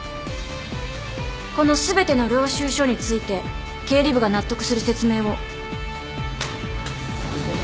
この全ての領収書について経理部が納得する説明を。